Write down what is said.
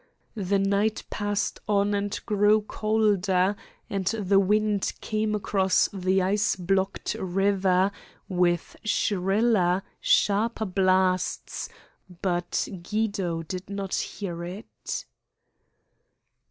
The night passed on and grew colder, and the wind came across the ice blocked river with shriller, sharper blasts, but Guido did not hear it.